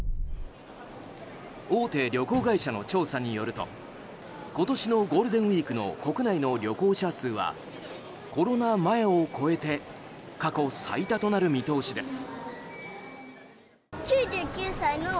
大手旅行会社の調査によると今年のゴールデンウィークの国内の旅行者数はコロナ前を超えて過去最多となる見通しです。